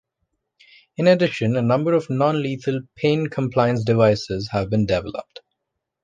In addition, a number of non-lethal pain compliance devices have been developed.